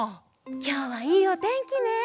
きょうはいいおてんきね！